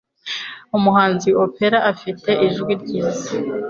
Umuhanzi opera afite ijwi ryiza.